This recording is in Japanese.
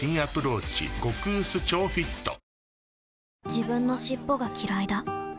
自分の尻尾がきらいだ